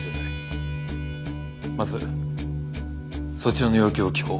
まずそちらの要求を聞こう。